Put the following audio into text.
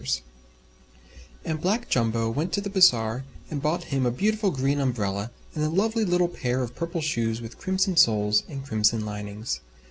And Black Jumbo went to the Bazaar and bought him a beautiful Green Umbrella and a lovely little Pair of Purple Shoes with Crimson Soles and Crimson Linings.